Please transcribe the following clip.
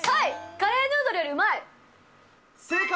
カレーヌードルよりうまい。正解！